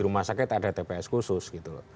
di rumah sakit ada tps khusus gitu